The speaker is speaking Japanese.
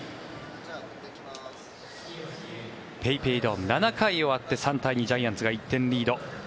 ＰａｙＰａｙドーム７回終わって３対２ジャイアンツが１点リード。